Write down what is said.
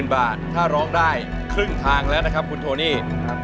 บาทถ้าร้องได้ครึ่งทางแล้วนะครับคุณโทนี่